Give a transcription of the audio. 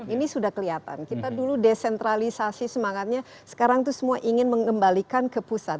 ini sudah kelihatan kita dulu desentralisasi semangatnya sekarang itu semua ingin mengembalikan ke pusat